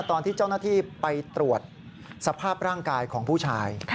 ตอนที่เจ้าหน้าที่ไปตรวจสภาพร่างกายของผู้ชาย